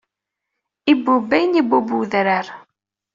Ibubb ayen ibubb wedrar.